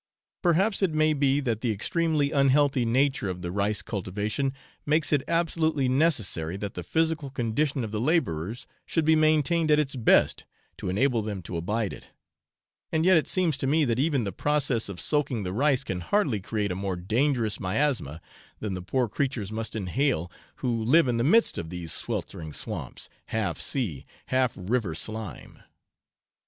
Perhaps it may be that the extremely unhealthy nature of the rice cultivation makes it absolutely necessary that the physical condition of the labourers should be maintained at its best to enable them to abide it; and yet it seems to me that even the process of soaking the rice can hardly create a more dangerous miasma than the poor creatures must inhale who live in the midst of these sweltering swamps, half sea, half river slime.